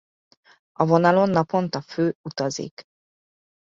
A vonalon naponta fő utazik.